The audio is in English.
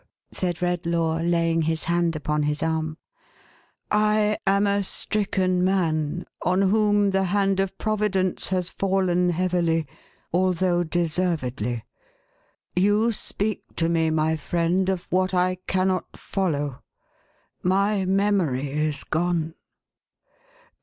said Redlaw, laying his hand upon his arm, " I am a stricken man, on whom the hand of Providence has fallen heavily, although deservedly. You speak to me, my friend, of what I cannot follow ; my memory is gone."